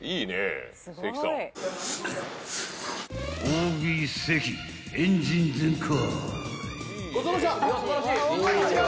［大食い関エンジン全開］